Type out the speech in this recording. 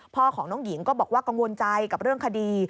พ่อของน้องหญิงก็บอกว่ากังวลใจกับเรื่องคดี